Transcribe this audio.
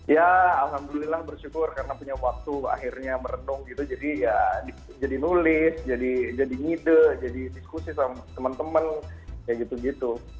ya alhamdulillah bersyukur karena punya waktu akhirnya merenung gitu jadi ya jadi nulis jadi ngide jadi diskusi sama temen temen kayak gitu gitu